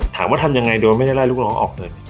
ทำยังไงโดยไม่ได้ไล่ลูกน้องออกเลย